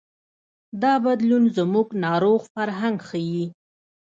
دا بدلون زموږ ناروغ فرهنګ ښيي.